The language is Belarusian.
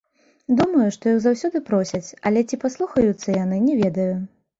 Думаю, што іх заўсёды просяць, але ці паслухаюцца яны, не ведаю.